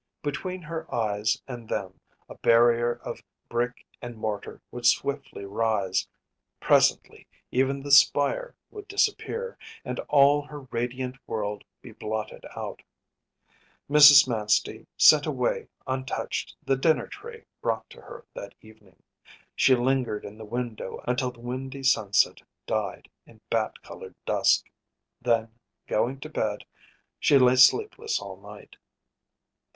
Between her eyes and them a barrier of brick and mortar would swiftly rise; presently even the spire would disappear, and all her radiant world be blotted out. Mrs. Manstey sent away untouched the dinner tray brought to her that evening. She lingered in the window until the windy sunset died in bat colored dusk; then, going to bed, she lay sleepless all night.